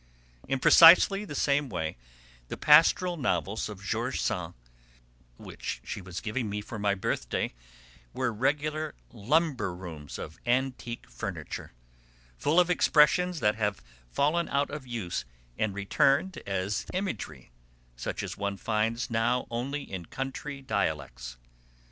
In precisely the same way the pastoral novels of George Sand, which she was giving me for my birthday, were regular lumber rooms of antique furniture, full of expressions that have fallen out of use and returned as imagery, such as one finds now only in country dialects.